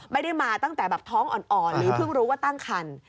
ไม่ได้มาตั้งแต่แบบท้องอ่อนหรือเพิ่งรู้ว่าตั้งคัน